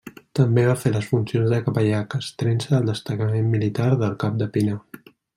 També va fer les funcions de capellà castrense del destacament militar del Cap de Pinar.